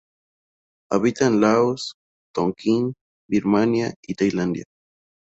Habita en Laos, Tonkin, Birmania y Tailandia.